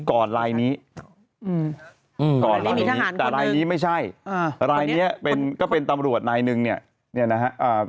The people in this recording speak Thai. ก่อนลายนี้แต่ลายนี้ไม่ใช่ลายนี้ก็เป็นตำรวจนายหนึ่งเนี่ยนะฮะ